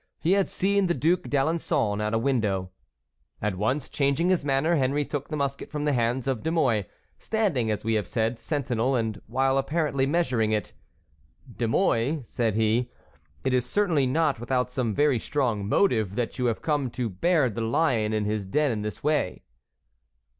He had seen the Duc d'Alençon at a window. At once changing his manner Henry took the musket from the hands of De Mouy, standing, as we have said, sentinel, and while apparently measuring it: "De Mouy," said he, "it is certainly not without some very strong motive that you have come to beard the lion in his den in this way?"